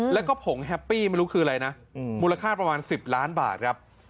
แล้วก็ผงแฮปปี้ไม่รู้คืออะไรนะมูลค่าประมาณ๑๐ล้านบาทครับ